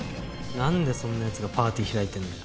なんでそんな奴がパーティー開いてんだよ。